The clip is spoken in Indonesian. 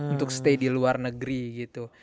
untuk stay di luar negeri gitu